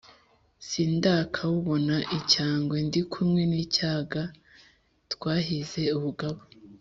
sindakawubona icyangwe; ndi kumwe n’ icyaga twahize ubugabo.